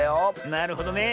なるほどね。